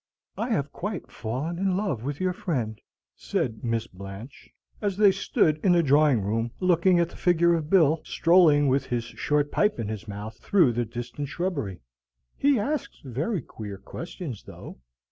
"I have quite fallen in love with your friend," said Miss Blanche, as they stood in the drawing room looking at the figure of Bill, strolling, with his short pipe in his mouth, through the distant shrubbery. "He asks very queer questions, though.